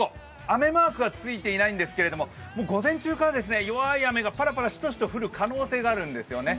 雨マークはついていないんですけれども午前中から弱い雨がパラパラ、しとしと降る可能性があるんですよね。